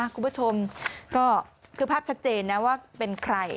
คุณผู้ชมก็คือภาพชัดเจนนะว่าเป็นใคร